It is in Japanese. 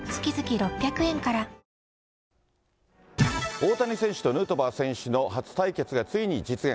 大谷選手とヌートバー選手の初対決がついに実現。